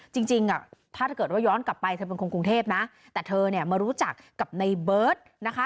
จริงถ้าเกิดว่าย้อนกลับไปเธอเป็นคนกรุงเทพนะแต่เธอเนี่ยมารู้จักกับในเบิร์ตนะคะ